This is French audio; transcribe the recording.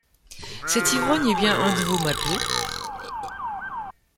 Cet ivrogne est bien un de vos matelots ?...